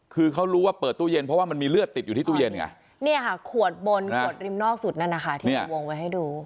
คือเขารู้ว่าเปิดตู้เย็นเพราะว่ามันมีเลือดติดอยู่ที่ตู้เย็นไงเนี่ยค่ะขวดบนขวดริมนอกสุดนั่นนะคะที่เราวงไว้ให้ดู